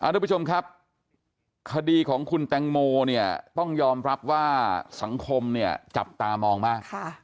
ทุกผู้ชมครับคดีของคุณแตงโมเนี่ยต้องยอมรับว่าสังคมเนี่ยจับตามองมาก